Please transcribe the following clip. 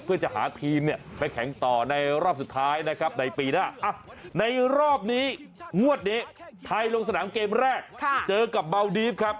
เพื่อจะหาทีมเนี่ยไปแข่งต่อในรอบสุดท้ายนะครับในปีหน้าในรอบนี้งวดนี้ไทยลงสนามเกมแรกเจอกับเบาดีฟครับ